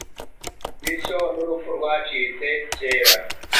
bityo nurupfu rwacitse kera